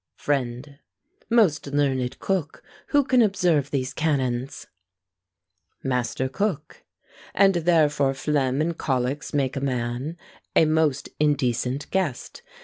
FRIEND. Most learned cook, who can observe these canons MASTER COOK. And therefore phlegm and colics make a man A most indecent guest.